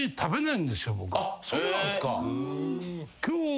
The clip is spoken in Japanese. そうなんすか。